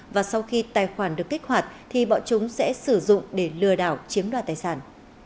và sau khi tài khoản được kích hoạt thì bọn chúng sẽ sử dụng để lừa đảo chiếm đoạt tài sản